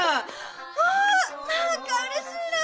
あ何かうれしいな！